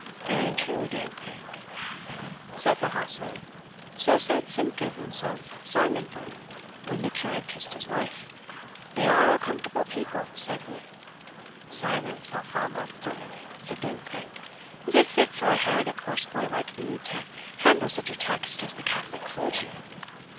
"Very true, Dame Crank," said the hostler; "so said Simpkins of Simonburn when the curate kissed his wife, 'They are a comfortable people,' said he." "Silence, thou foul mouthed vermin," said Dame Crank; "is it fit for a heretic horse boy like thee to handle such a text as the Catholic clergy?"